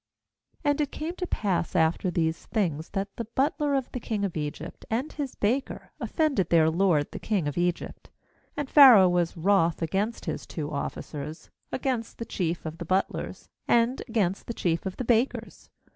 AC\ And it came to pass after ^^ these things, that the butler of the king of Egypt and his baker offend ed their lord the king of Egypt.^ 2And Pharaoh was wroth against his two officers, against the chief of the butlers, and against the chief of , the bakers.